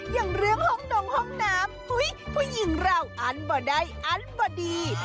อย่างเรื่องห้องนงห้องน้ำผู้หญิงเราอันบ่ได้อันบ่ดี